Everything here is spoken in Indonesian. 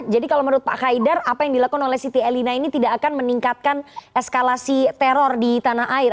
jadi kalau menurut pak haidar apa yang dilakukan oleh siti elina ini tidak akan meningkatkan eskalasi teror